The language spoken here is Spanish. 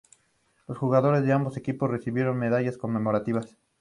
Los jugadores de ambos equipos recibieron medallas conmemorativas.